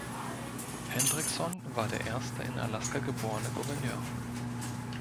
Hendrickson war der erste in Alaska geborene Gouverneur.